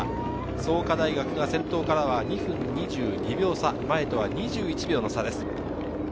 創価大学が先頭からは２分２２秒差、前とは２１秒の差です。